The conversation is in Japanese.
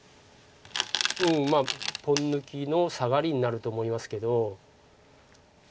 まあポン抜きのサガリになると思いますけど。